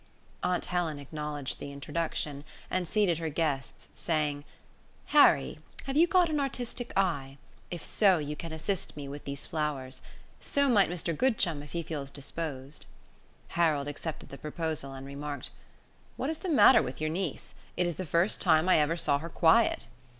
Aunt Helen acknowledged the introduction, and seated her guests, saying: "Harry, have you got an artistic eye? If so, you can assist me with these flowers. So might Mr Goodchum, if he feels disposed." Harold accepted the proposal, and remarked: "What is the matter with your niece? It is the first time I ever saw her quiet."